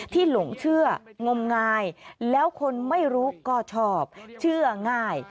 หลงเชื่องมงายแล้วคนไม่รู้ก็ชอบเชื่อง่าย